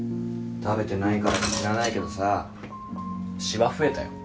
食べてないからか知らないけどさしわ増えたよ。